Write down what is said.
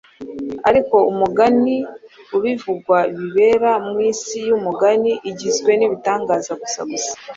ariko mu mugani ibivugwa bibera mu isi y’umugani igizwe n’ibitangaza gusagusa.